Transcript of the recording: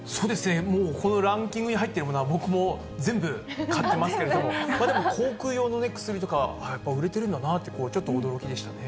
もうこのランキングに入ってるものは僕も全部買ってますけれども、まあでも、口くう用の薬とかは、やっぱり売れてるんだなって、驚きでしたね。